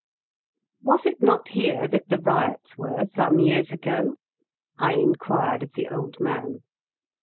" Was is not here that the riots were some years ago ?" I inquired of the old man.